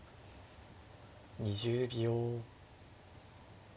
２０秒。